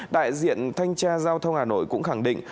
đại diện thanh tra giao thông hà nội cũng khẳng định